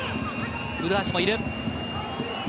古橋もいる。